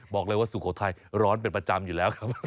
บอกเลยว่าสุโขทัยร้อนเป็นประจำอยู่แล้วครับ